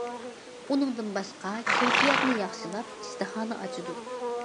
ئۇنىڭدىن باشقا كەيپىياتنى ياخشىلاپ، ئىشتىھانى ئاچىدۇ.